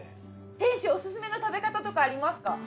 店主オススメの食べ方とかありますか？